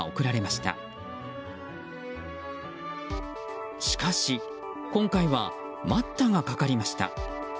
しかし、今回は待ったがかかりました。